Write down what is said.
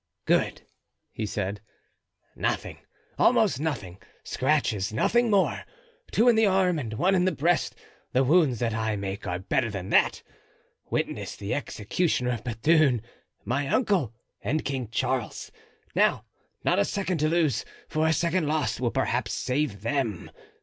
"Good!" he said, "nothing, almost nothing—scratches, nothing more; two in the arm and one in the breast. The wounds that I make are better than that—witness the executioner of Bethune, my uncle and King Charles. Now, not a second to lose, for a second lost will perhaps save them.